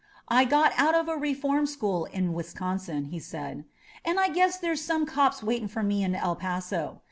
I got out of a reform school in Wisconsin," he said, and I guess there's some cops waiting for me in El Paso.